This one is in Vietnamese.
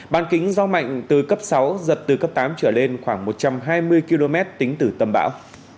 bàn kính gió mạnh từ cấp sáu giật từ cấp tám trở lên khoảng một trăm hai mươi km tính từ tâm bão